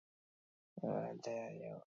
Hor amaitzen da nire abizena.